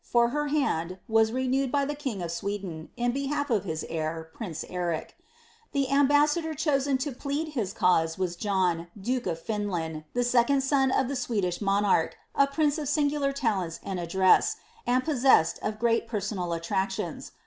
for her liand, wa newed by l!ie king of Sweden, in bebalf of )ii« hoir, prince E le BHiliaimador cbosen to plead his cause was John, duke of the second aon of the Swedish monarch, a prince of singular I id address, and possessed of great personal attraelions.